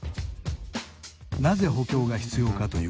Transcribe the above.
なぜ補強が必要かというと。